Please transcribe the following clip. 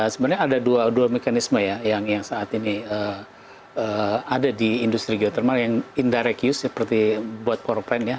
sebenarnya ada dua mekanisme ya yang saat ini ada di industri geotermal yang indirecuse seperti buat for plant ya